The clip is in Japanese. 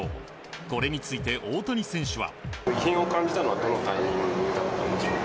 これについて大谷選手は。